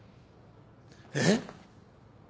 えっ！？